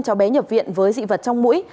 cháu bé nhập viện với dị vật trong mũi